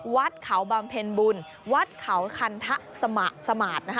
วัดเขาบำเพ็ญบุญวัดเขาคันทะสมาธินะคะ